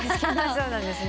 そうなんですね。